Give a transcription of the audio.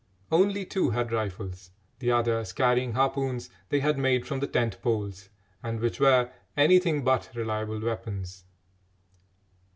Only two had rifles, the others carrying harpoons they had made from the tent poles, and which were anything but reliable weapons.